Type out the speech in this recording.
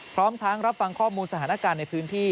พร้อมทั้งรับฟังข้อมูลสถานการณ์ในพื้นที่